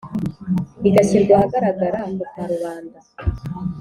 igashyirwa ahagaragara kukarubanda